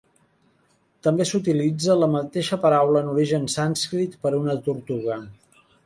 També s'utilitza la mateixa paraula en origen sànscrit per a una tortuga.